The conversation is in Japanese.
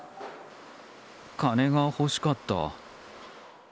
金が欲しかった。